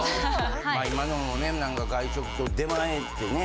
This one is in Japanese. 今のもねなんか外食と出前ってね。